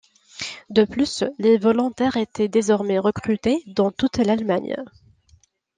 De plus, les volontaires étaient désormais recrutés dans toute l'Allemagne.